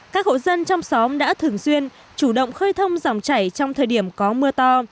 các hộ dân trong xóm đã thường xuyên chủ động khơi thông dòng chảy trong thời điểm có mưa to